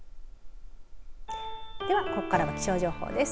ではここから気象情報です。